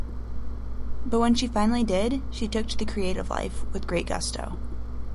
But when she finally did, she took to the creative life with great gusto.